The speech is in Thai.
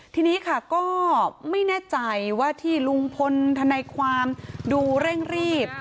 ทีนี้ค่ะก็ไม่แน่ใจว่าที่ลุงพลทนายความดูเร่งรีบ